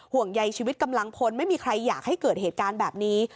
ห่วงใยชีวิตกำลังพลไม่มีใครอยากให้เกิดเหตุการณ์แบบนี้